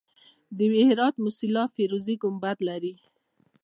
د هرات موسیلا فیروزي ګنبد لري